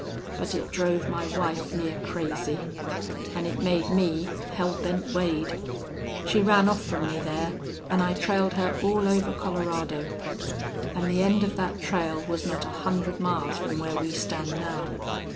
But it drove my wife near crazy. An' it made me Hell Bent Wade!... She ran off from me there, an' I trailed her all over Colorado. An' the end of that trail was not a hundred miles from where we stand now.